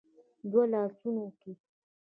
دوو لاسونو کې